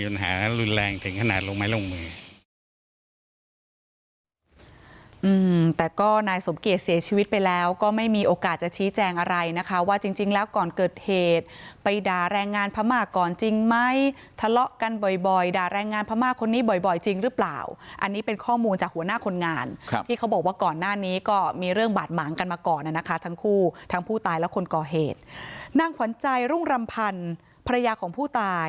แต่ก็นายสมเกียจเสียชีวิตไปแล้วก็ไม่มีโอกาสจะชี้แจงอะไรนะคะว่าจริงแล้วก่อนเกิดเหตุไปด่าแรงงานพม่าก่อนจริงไหมทะเลาะกันบ่อยบ่อยด่าแรงงานพม่าคนนี้บ่อยจริงหรือเปล่าอันนี้เป็นข้อมูลจากหัวหน้าคนงานครับที่เขาบอกว่าก่อนหน้านี้ก็มีเรื่องบาดหมางกันมาก่อนนะคะทั้งคู่ทั้งผู้ตายและคนก่อเหตุนางขวัญใจรุ่งรำพันธ์ภรรยาของผู้ตาย